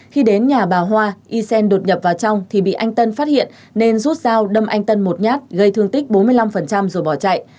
khi đến nhà bà hoa y xen đột nhập vào trong thì bị anh tân phát hiện nên rút dao đâm anh tân một nhát gây thương tích bốn mươi năm rồi bỏ chạy